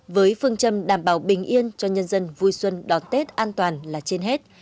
với phương châm đảm bảo bình yên cho nhân dân vui xuân đón tết an toàn là trên hết